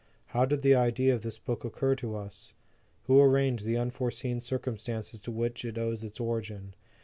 How did the idea of this book occur to us ? Who arranged the unforeseen circumstances to which it owes its origin?